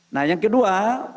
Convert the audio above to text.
nah yang kedua